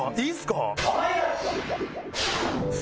いいっすか？